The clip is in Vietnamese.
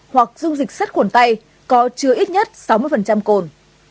hoặc dung dịch sắt khuẩn tay có chứa ít nhất sáu mươi cồn